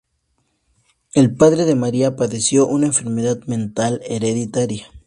El padre de María padeció una enfermedad mental hereditaria.